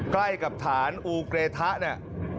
ใกล้กับฐานอูเกรทะเนี่ย